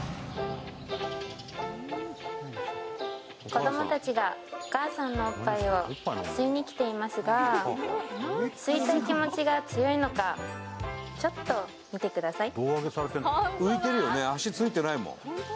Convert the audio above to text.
子供たちがお母さんのおっぱいを吸いに来ていますが吸いたい気持ちが強いのか、ちょっと見てください。